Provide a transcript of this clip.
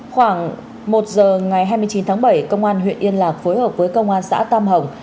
khoảng một giờ ngày hai mươi chín tháng bảy công an huyện yên lạc phối hợp với công an xã tam hồng